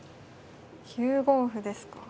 ９五歩ですか。